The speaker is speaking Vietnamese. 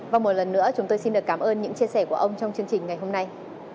và một lần nữa chúng tôi xin được cảm ơn những chia sẻ của ông trong chương trình ngày hôm nay